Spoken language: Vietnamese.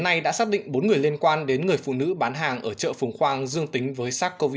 hôm nay đã xác định bốn người liên quan đến người phụ nữ bán hàng ở chợ phùng khoang dương tính với sars cov hai